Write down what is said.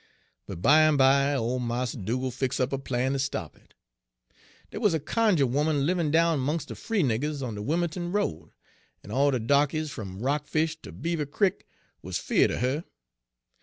"But bimeby ole Mars Dugal' fix' up a plan ter stop it. Dey wuz a cunjuh 'oman livin' down 'mongs' de free niggers on de Wim'l'ton Road, en all de darkies fum Rockfish ter Beaver Crick wuz feared er her.